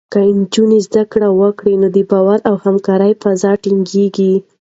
که نجونې زده کړه وکړي، نو د باور او همکارۍ فضا ټینګېږي.